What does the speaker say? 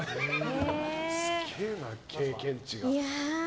すげえな、経験値が。